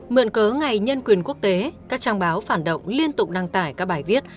mượn cớ ngày nhân quyền quốc tế các trang báo phản động liên tục đăng tải các bài viết